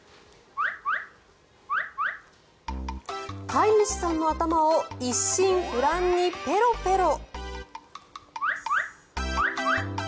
飼い主さんの頭を一心不乱にペロペロ。